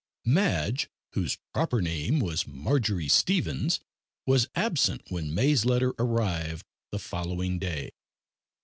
Madge whose proper name was Marjory Stevens was absent when May's letter arrived the following day.